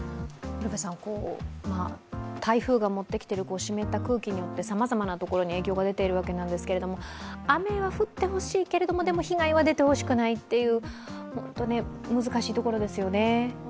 台風が持ってきている湿った空気によってさまざまな所に影響が出ているわけなんですけれども雨は降ってほしいけれども、でも被害は出てほしくないという、本当に難しいところですよね。